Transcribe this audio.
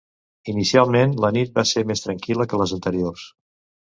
Inicialment, la nit va ser més tranquil·la que les anteriors.